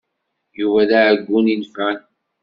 Yuba d aɛeggun inefɛen.